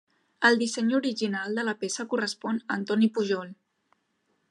El disseny original de la peça correspon a Antoni Pujol.